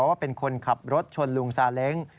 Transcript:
ว่าเป็นคนขับรถชนลุงซาเล้ง